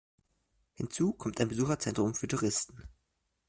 Hinzu kommt ein Besucherzentrum für Touristen.